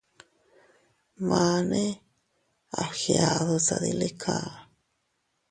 Mane a fgiadu tadilika.